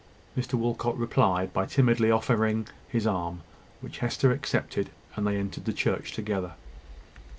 Mr Walcot replied by timidly offering his arm, which Hester accepted, and they entered the church together.